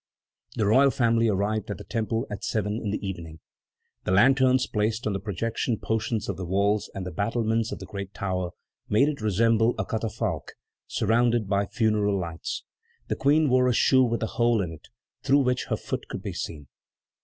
The royal family arrived at the Temple at seven in the evening. The lanterns placed on the projecting portions of the walls and the battlements of the great tower made it resemble a catafalque surrounded by funeral lights. The Queen wore a shoe with a hole in it, through which her foot could be seen.